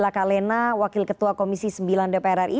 lakalena wakil ketua komisi sembilan dpr ri